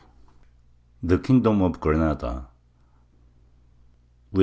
THE KINGDOM OF GRANADA.